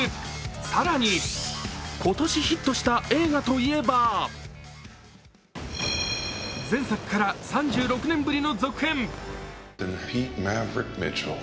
更に今年ヒットした映画といえば前作から３６年ぶりの続編。